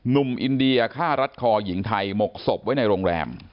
หนุ่มอินเดียฆ่ารัดคอหญิงไทยหมกศพไว้ในโรงแรม